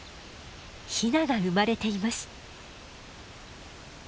ヒナが生まれています。